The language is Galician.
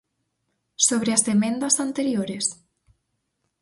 ¿Sobre as emendas anteriores?